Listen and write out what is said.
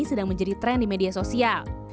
sedang menjadi tren di media sosial